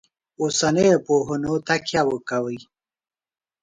اوسنیو پوهنو تکیه وکوي.